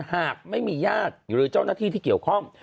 หากไม่มีญาติหรือเจ้าหน้าที่ที่เกี่ยวข้อง